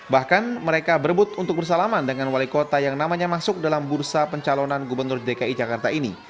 bahkan mereka berebut untuk bersalaman dengan wali kota yang namanya masuk dalam bursa pencalonan gubernur dki jakarta ini